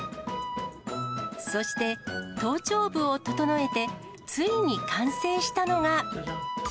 そして頭頂部を整えて、ついに完成したのが。